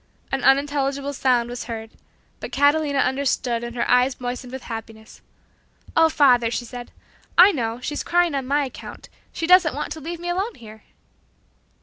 An unintelligible sound was heard; but Catalina understood and her eyes moistened with happiness. "Oh, father," she said, "I know; she's crying on my account, she doesn't want to leave me alone here."